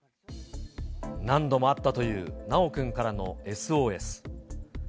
何度もあったという修くんからのＳＯＳ。